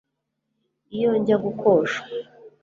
iyo njya kogoshwa